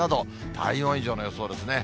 体温以上の予想ですね。